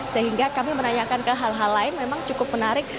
sehingga kami menanyakan ke hal hal lain memang cukup menarik